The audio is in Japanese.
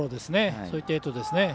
そういった意図ですね。